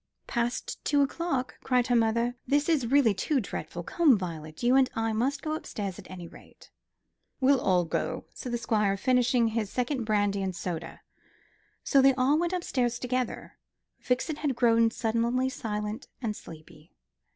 "Past two o'clock," cried her mother. "This is really too dreadful. Come, Violet, you and I must go upstairs at any rate." "We'll all go," said the Squire, finishing his second brandy and soda. So they all three went upstairs together. Vixen had grown suddenly silent and sleepy.